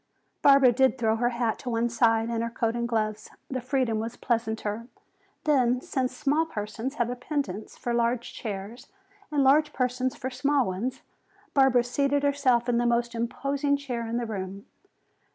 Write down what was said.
Barbara did throw her hat to one side and her coat and gloves. The freedom was pleasanter. Then, since small persons have a penchant for large chairs and large persons for small ones, Barbara seated herself in the most imposing chair in the room.